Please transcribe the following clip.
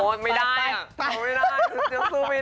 โอ้ยไม่ได้อะสู้ไม่ได้แต่เพียงนี้อ่ะก็ติดตามได้